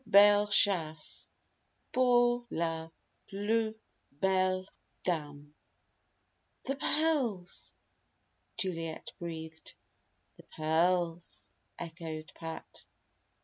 Les plus belles chases, pour la plus belle dame_." "The pearls!" Juliet breathed. "The pearls!" echoed Pat.